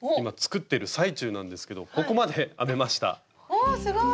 おおすごい！